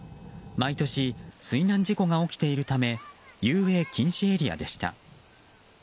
毎年、水難事故が起きているため遊泳禁止エリアでした。